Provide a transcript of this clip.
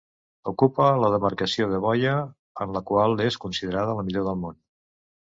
Ocupa la demarcació de boia, en la qual és considerada la millor del món.